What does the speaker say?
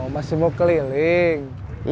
masih mau keliling